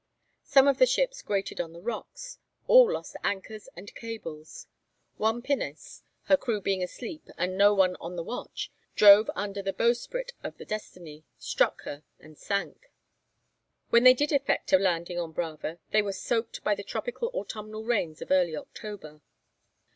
Some of the ships grated on the rocks, all lost anchors and cables; one pinnace, her crew being asleep and no one on the watch, drove under the bowsprit of the 'Destiny,' struck her and sank. When they did effect a landing on Brava, they were soaked by the tropical autumnal rains of early October.